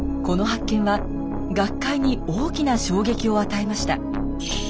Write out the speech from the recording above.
この発見は学会に大きな衝撃を与えました。